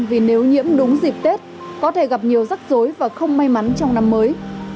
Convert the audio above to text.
vì nếu nhiễm đúng dịp tết có thể gặp nhiều rắc rối và không may mắn trong năm mới